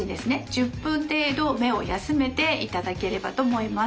１０分程度目を休めていただければと思います。